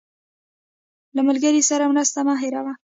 له ملګري سره مرسته مه هېروه.